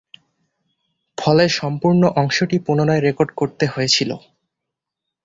ফলে সম্পূর্ণ অংশটি পুনরায় রেকর্ড করতে হয়েছিল।